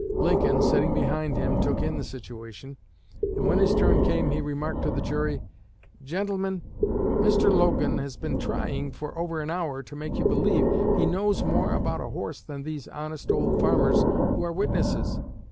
Lincoln, sitting behind him, took in the situation, and when his turn came he remarked to the jury: "Gentlemen, Mr. Logan has been trying for over an hour to make you believe he knows more about a horse than these honest old farmers who are witnesses.